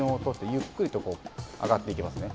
ゆっくりと上がっていきますね。